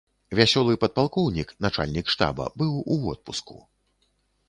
Вясёлы падпалкоўнік, начальнік штаба, быў у водпуску.